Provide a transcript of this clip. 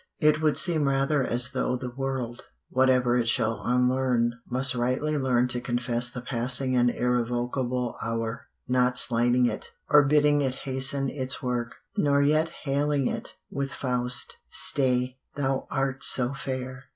It would seem rather as though the world, whatever it shall unlearn, must rightly learn to confess the passing and irrevocable hour; not slighting it, or bidding it hasten its work, nor yet hailing it, with Faust, "Stay, thou art so fair!"